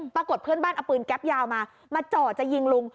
ปรากฏว่าเพื่อนบ้านเอาปืนแก๊ปยาวมามาจ่อจะยิงลุง